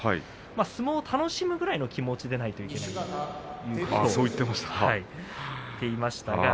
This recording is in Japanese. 相撲を楽しむぐらいの気持ちでないといけないと話していました。